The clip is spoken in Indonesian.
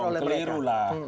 iya salah dong keliru lah